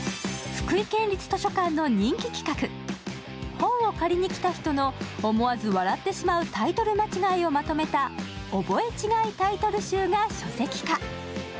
本を借りに来た人の思わず笑ってしまうタイトル間違えをまとめた「覚え違いタイトル集」が書籍化。